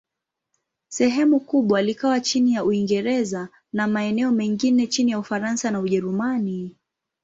Sehemu kubwa likawa chini ya Uingereza, na maeneo mengine chini ya Ufaransa na Ujerumani.